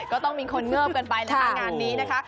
ก็ต้องมีคนเงิบกันไปนะคะงานนี้นะคะ